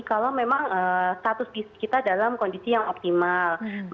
kalau memang status gizi kita dalam kondisi yang optimal